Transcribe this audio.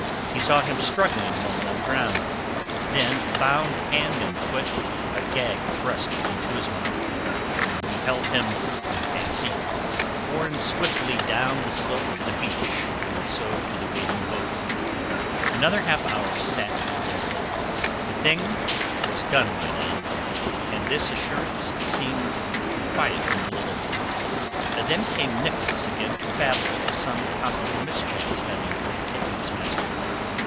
He saw him struggling a moment on the ground, then, bound hand and foot, a gag thrust into his mouth, he beheld him in fancy borne swiftly down the slope to the beach and so to the waiting boat. Another half hour sat he there. The thing was done by now, and this assurance seemed to quiet him a little. Then came Nicholas again to babble of some possible mischance having overtaken his master.